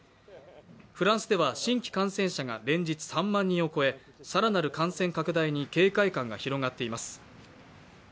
フランスでは新規感染者が連日３万人を超え更なる感染拡大で警戒感が広がっています。